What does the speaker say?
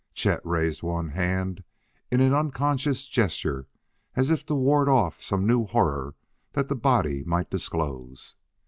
Chet raised one hand in an unconscious gesture as if to ward off some new horror that the body might disclose.